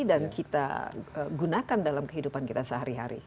dan kita gunakan dalam kehidupan kita sehari hari